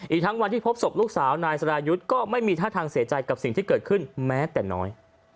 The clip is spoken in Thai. ทั้งวันที่พบศพลูกสาวนายสรายุทธ์ก็ไม่มีท่าทางเสียใจกับสิ่งที่เกิดขึ้นแม้แต่น้อย